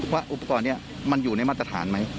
ว่าอุปกรณ์นี้มันอยู่ในมาตรฐานไหม